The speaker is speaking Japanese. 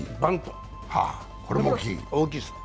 大きいですね。